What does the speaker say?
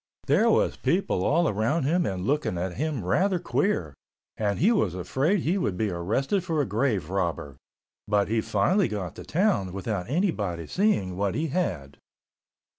There was people all around him and looking at him rather queer, and he was afraid he would be arrested for a grave robber, but he finally got to town without anybody seeing what he had.